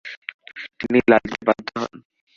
তিনি লালিত পালিত হন।